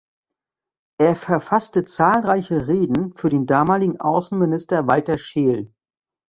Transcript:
Er verfasste zahlreiche Reden für den damaligen Außenminister Walter Scheel.